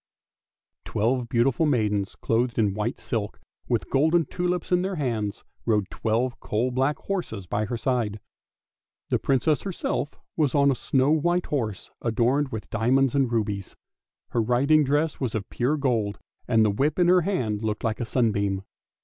Twelve beautiful maidens clothed in white silk, with golden tulips in their hands, rode twelve coal black horses by her side. The Princess herself was on a snow white horse, adorned with diamonds and rubies; her riding dress was of pure gold, and the whip in her hand looked like a sunbeam.